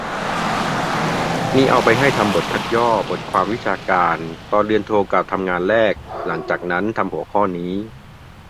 มีเอาไปใช้ทำบทคัดย่อบทความวิชาการ ตอนเรียนโทกะทำงานแรกหลังจากนั้น ทำหัวข้อนี้